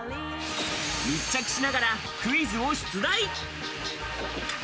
密着しながらクイズを出題。